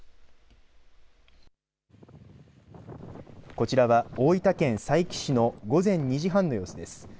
こちらは大分県佐伯市の午前２時半の様子です。